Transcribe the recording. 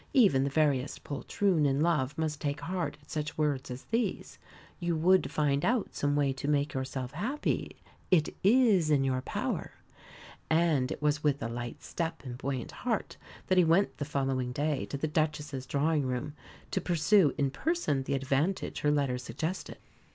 Even the veriest poltroon in love must take heart at such words as these "you would find out some way to make yourself happy it is in your power." And it was with a light step and buoyant heart that he went the following day to the Duchess's drawing room to pursue in person the advantage her letter suggested.